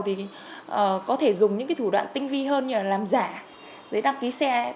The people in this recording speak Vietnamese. thì có thể dùng những cái thủ đoạn tinh vi hơn như là làm giả giấy đăng ký xe